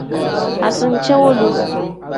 Asincewolu.